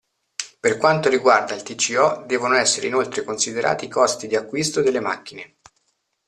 Per quanto riguarda il TCO devono essere inoltre considerati i costi di acquisto delle macchine.